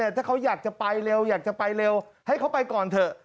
ถ้าเขาอยากจะไปเร็วอยากจะไปเร็วให้เขาไปก่อนเถอะ